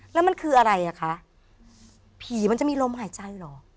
แล้วมันคืออะไรอ่ะคะผีมันจะมีลมหายใจเหรอ